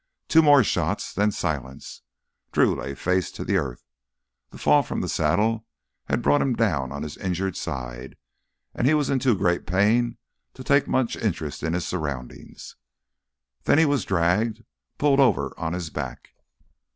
Two more shots—then silence. Drew lay face to earth. The fall from the saddle had brought him down on his injured side, and he was in too great pain to take much interest in his surroundings. Then he was dragged, pulled over on his back.